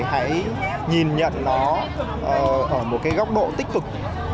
hãy nhìn nhận nó ở một cái góc độ tích cực